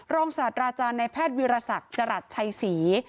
ศาสตราจารย์ในแพทย์วิรสักจรัสชัยศรี